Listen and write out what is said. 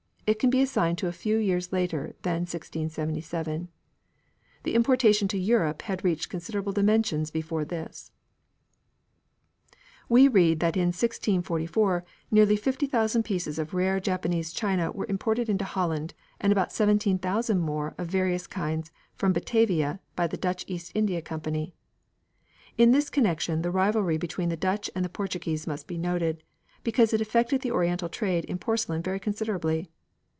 it can be assigned to a few years later than 1677. The importation to Europe had reached considerable dimensions before this. We read that in 1664 nearly 50,000 pieces of rare Japanese china were imported into Holland and about 17,000 more of various kinds from Batavia by the Dutch East India Company. In this connection the rivalry between the Dutch and the Portuguese must be noted, because it affected the Oriental trade in porcelain very considerably.